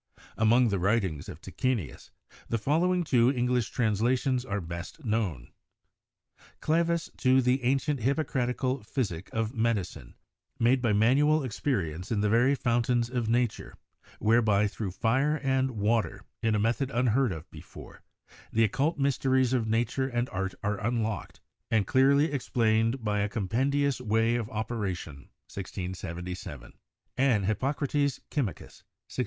Among the writings of Tachenius, the following two English translations are best known : 'Clavis to the ancient Hippocratical Physick or Medicine made by manual experience in the very foun tains of nature, whereby through fire and water, in a method unheard of before, the occult mysteries of nature and art are unlocked and clearly explained by a compen dious way of operation' (1677) 5 an< ^ 'Hyppocrates Chym icus' (1677).